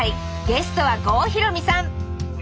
ゲストは郷ひろみさん